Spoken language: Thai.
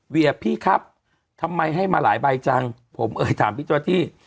๑๐๔๙เวียพี่ครับทำไมให้มาหลายใบจังผมเอ่ยถามพี่ตัวที่